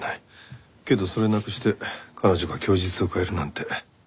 けどそれなくして彼女が供述を変えるなんてあり得ない。